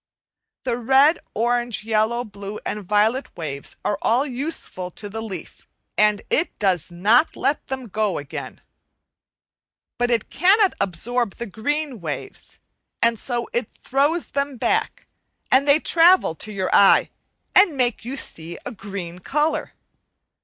The red, orange, yellow, blue, and violet waves are all useful to the leaf, and it does not let them go again. But it cannot absorb the green waves, and so it throws them back, and they travel to your eye and make you see a green colour.